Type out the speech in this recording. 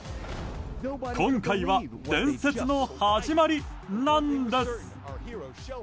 今回は伝説の始まりなんです。